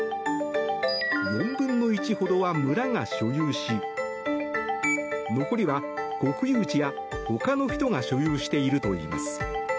４分の１ほどは村が所有し残りは国有地やほかの人が所有しているといいます。